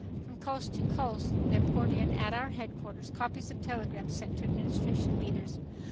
From coast to coast there poured in at our headquarters copies of telegrams sent to Administration leaders.